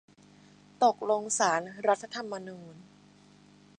ตกลงศาลรัฐธรรมนูญ